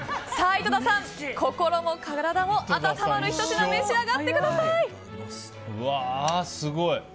さあ井戸田さん、心も体も温まるひと品を召し上がってください。